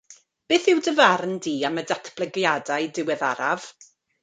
Beth yw dy farn di am y datblygiadau diweddaraf?